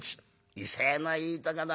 威勢のいいとこだねえ。